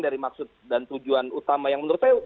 dari maksud dan tujuan utama yang menurut saya